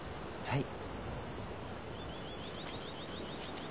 はい。